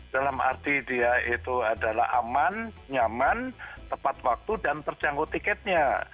dalam arti dia itu adalah aman nyaman tepat waktu dan terjangkau tiketnya